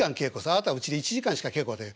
あなたはうちで１時間しか稽古ができない。